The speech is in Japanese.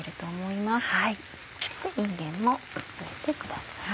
いんげんも添えてください。